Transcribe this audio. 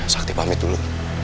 sakti pamit dulu